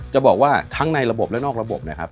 จะบอกว่าทั้งในระบบและนอกระบบนะครับ